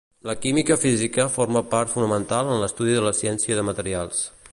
La química física forma part fonamental en l'estudi de la ciència de materials.